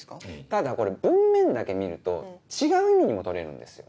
ただこれ文面だけ見ると違う意味にも取れるんですよ。